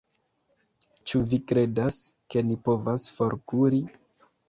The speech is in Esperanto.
Ĉu vi kredas, ke ni povas forkuri?